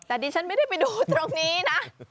แต่ดิฉันไม่ได้ไปดูตรงนี้นะ